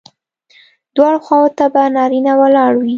دواړو خواوو ته به نارینه ولاړ وي.